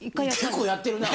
結構やってるなぁ。